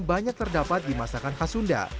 banyak terdapat di masakan khas sunda